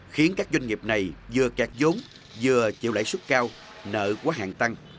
khiến các doanh nghiệp này vừa kẹt giống vừa chịu lãi xuất cao nợ quá hạn tăng